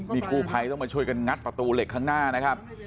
นี่กู้ภัยต้องมาช่วยกันงัดประตูเหล็กข้างหน้านะครับ